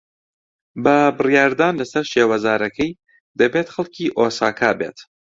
بە بڕیاردان لەسەر شێوەزارەکەی، دەبێت خەڵکی ئۆساکا بێت.